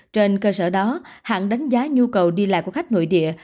trên cơ sở đó hãng đánh giá nhu cầu đi lại của khách nội địa